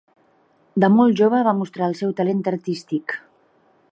De molt jove va mostrar el seu talent artístic.